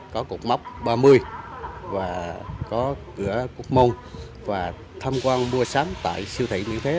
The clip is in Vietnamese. có cục móc ba mươi và có cửa cục mông và tham quan mua sáng tại siêu thị miễn thuế